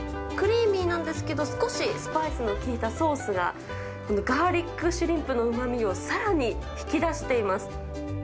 クリーミーなんですけど、少しスパイスの効いたソースが、ガーリックシュリンプのうまみをさらに引き出しています。